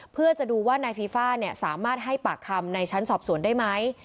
เพื่อจะดูว่านายฟีฟ่าสามารถให้ปากคำในชั้นสอบสวนได้ไหม